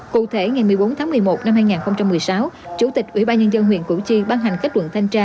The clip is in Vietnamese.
cụ thể ngày một mươi bốn tháng một mươi một năm hai nghìn một mươi sáu chủ tịch ủy ban nhân dân huyện củ chi ban hành kết luận thanh tra